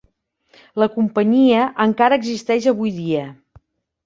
La companyia encara existeix avui dia.